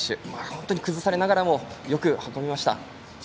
本当に崩されながらもよく運びました。